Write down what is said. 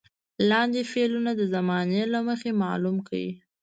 لاندې فعلونه د زمانې له مخې معلوم کړئ.